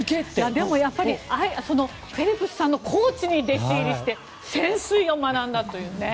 でも、やっぱりフェルプスさんのコーチに弟子入りして潜水を学んだという。